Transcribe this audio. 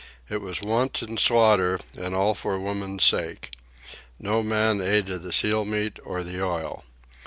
It was wanton slaughter, and all for woman's sake. No man ate of the seal meat or the oil.